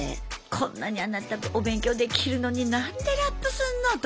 こんなにあなたお勉強できるのに何でラップすんのと。